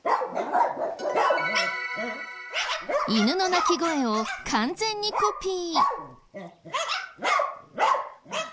犬の鳴き声を完全にコピー。